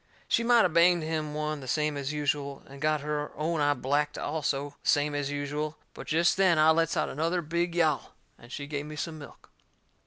She might of banged him one the same as usual, and got her own eye blacked also, the same as usual; but jest then I lets out another big yowl, and she give me some milk.